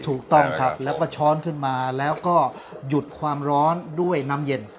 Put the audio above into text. ถูกต้องครับแล้วก็ช้อนขึ้นมาแล้วก็หยุดความร้อนด้วยน้ำเย็น